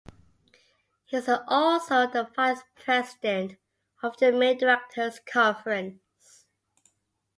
He is also the vice-president of the Mint Directors Conference.